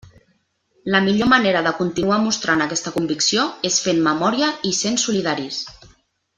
La millor manera de continuar mostrant aquesta convicció és fent memòria i sent solidaris.